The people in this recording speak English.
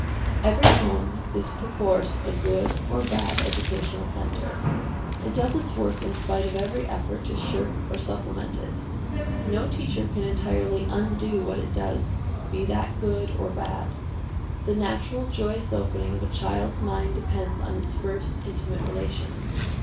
Every home is perforce a good or bad educational center. It does its work in spite of every effort to shirk or supplement it. No teacher can entirely undo what it does, be that good or bad. The natural joyous opening of a child's mind depends on its first intimate relations.